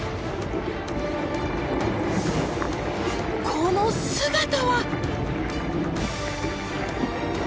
この姿は！